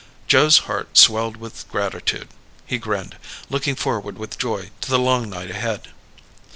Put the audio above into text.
Joe's heart swelled with gratitude. He grinned, looking forward with joy to the long night ahead.